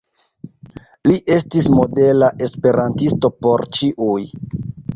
Li estis modela esperantisto por ĉiuj.